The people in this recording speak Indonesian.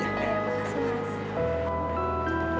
oke makasih makasih